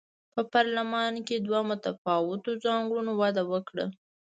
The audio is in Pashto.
په پارلمان کې دوه متفاوتو ځانګړنو وده وکړه.